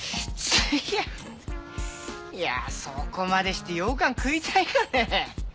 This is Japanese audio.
いやそこまでしてようかん食いたいかねヘヘヘ。